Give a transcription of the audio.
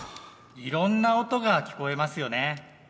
いろんな音が聞こえますよね。